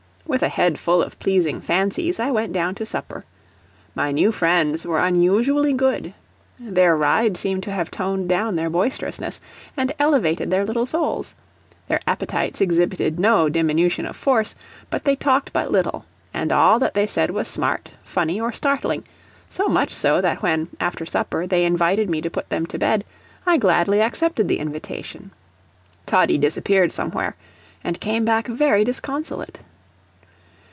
With a head full of pleasing fancies, I went down to supper. My new friends were unusually good. Their ride seemed to have toned down their boisterousness and elevated their little souls; their appetites exhibited no diminution of force, but they talked but little, and all that they said was smart, funny, or startling so much so that when, after supper, they invited me to put them to bed, I gladly accepted the invitation. Toddie disappeared somewhere, and came back very disconsolate.